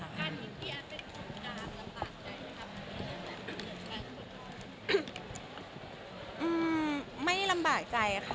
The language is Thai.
แล้วอันนี้พี่แอ๊ฟเป็นคุณภูมิรับรจารำบากใจด้วยคะ